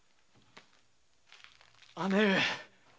姉上！